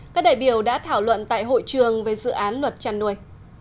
các đại biểu đã thảo luận tại hội trường về dự án luật chăn nuôi